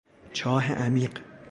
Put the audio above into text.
چاه عمیق